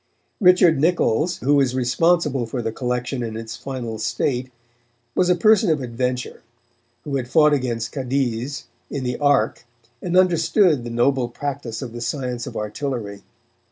Richard Niccols, who is responsible for the collection in its final state, was a person of adventure, who had fought against Cadiz in the Ark, and understood the noble practice of the science of artillery.